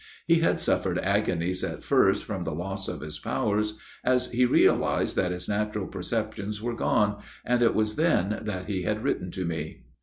He had suffered agonies at first from the loss of his powers, as he realized that his natural perceptions were gone, and it was then that he had written to me."